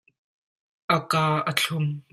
A ka a thlum.